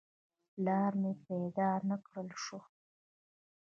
پلار مې پیدا نه کړای شو.